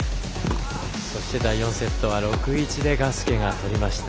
そして第４セットは６−１でガスケがとりました。